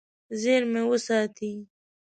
زیرمې وساتي.